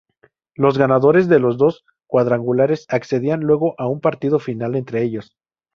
Los ganadores de los dos cuadrangulares accedían luego a un partido final entre ellos.